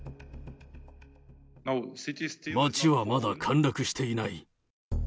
街はまだ陥落していない。